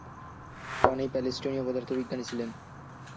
Tony প্যালেস্টীনীয় পদার্থবিদ ছিলেন।